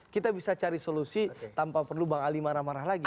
kita bisa cari solusi tanpa perlu bang ali marah marah lagi